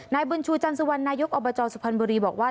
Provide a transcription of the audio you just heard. นายบุญชูจันสุวรรณนายกอบจสุพรรณบุรีบอกว่า